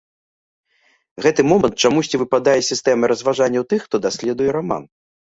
Гэты момант чамусьці выпадае з сістэмы разважанняў тых, хто даследуе раман.